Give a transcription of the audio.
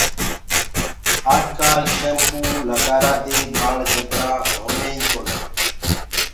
آج ڪآل شيمپوآ ڪآ استمالو دي ٻآݪ جبرآ هويِنٚ ئي ڪونآ۔